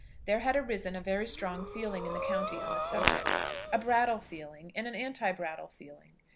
There had arisen a very strong feeling in the county on the subject; a Brattle feeling, and an anti Brattle feeling.